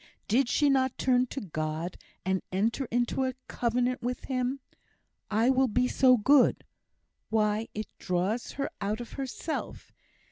Did she not turn to God, and enter into a covenant with Him 'I will be so good?' Why, it draws her out of herself!